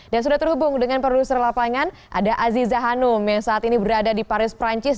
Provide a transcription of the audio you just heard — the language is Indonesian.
dan sudah terhubung dengan produser lapangan ada aziza hanum yang saat ini berada di paris perancis